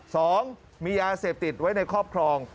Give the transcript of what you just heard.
สองมียาเสพติดไว้ในครอบครอง